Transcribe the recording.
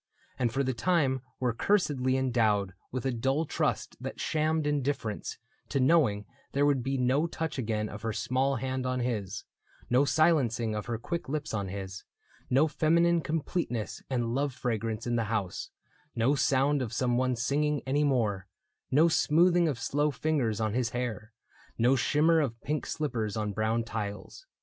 And for the time were cursedly endowed With a dull trust that shammed indifference To knowing there would be no touch again Of her small hand on his, no silencing Of her quick lips on his, no feminine Completeness and love fragrance in the house, No sound of some one singing any more, No smoothing of slow fingers on his hair, No shimmer of pink slippers on brown tiles.